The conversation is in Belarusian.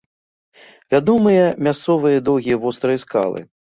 Вядомыя мясцовыя доўгія вострыя скалы.